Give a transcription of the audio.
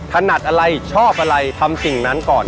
ถนัดอะไรชอบอะไรทำสิ่งนั้นก่อน